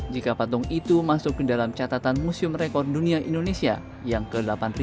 jika patung itu masuk ke dalam catatan museum rekor dunia indonesia yang ke delapan ribu tujuh ratus tiga puluh tiga